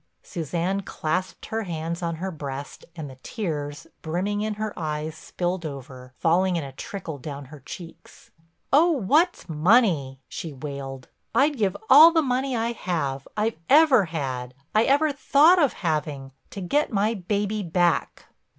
Suzanne clasped her hands on her breast and the tears, brimming in her eyes, spilled over, falling in a trickle down her cheeks. "Oh, what's money!" she wailed. "I'd give all the money I have, I've ever had, I ever thought of having, to get my baby back."